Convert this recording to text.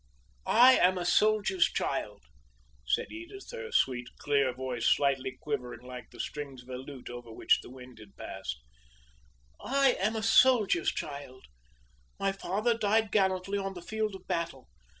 "I am a soldier's child," said Edith; her sweet, clear voice slightly quavering like the strings of a lute over which the wind has passed; "I am a soldier's child my father died gallantly on the field of battle.